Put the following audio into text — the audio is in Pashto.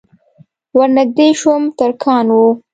ور نږدې شوم ترکان وو.